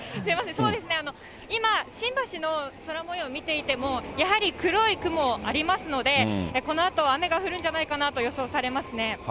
そうですね、今、新橋の空もよう見ていても、やはり黒い雲ありますので、このあと、雨が降るんじゃないかなと予想されますね。